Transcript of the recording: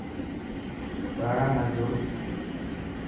ٻاڙا نا جو.